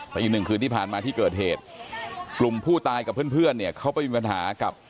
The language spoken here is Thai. อีกหนึ่งคืนที่ผ่านมาที่เกิดเหตุกลุ่มผู้ตายกับเพื่อนเนี่ยเขาไปมีปัญหากับ